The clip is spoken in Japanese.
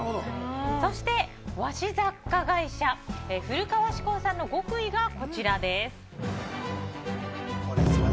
そして和紙雑貨会社古川紙工さんの極意がこちら。